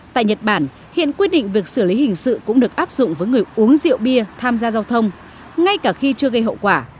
tại nhật bản hiện quyết định việc xử lý hình sự cũng được áp dụng với người uống rượu bia tham gia giao thông ngay cả khi chưa gây hậu quả